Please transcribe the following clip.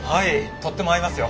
とっても合いますよ。